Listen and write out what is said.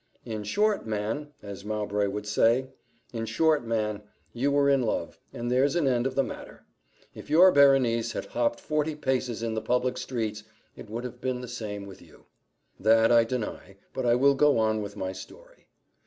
"In short, man," as Mowbray would say, "in short, man, you were in love, and there's an end of the matter: if your Berenice had hopped forty paces in the public streets, it would have been the same with you." That I deny but I will go on with my story.